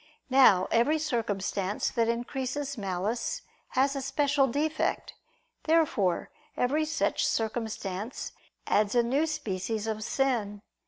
Now every circumstance that increases malice, has a special defect. Therefore every such circumstance adds a new species of sin.